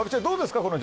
どうですか？